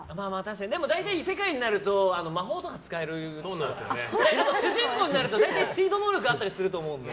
でも、大体異世界になると魔法とか使えるので主人公になるとチート能力あると思うので。